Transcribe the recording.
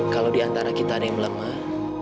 kalau diantara kita ada yang melemah